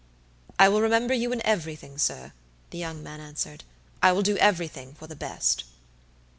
"I will remember you in everything, sir," the young man answered. "I will do everything for the best."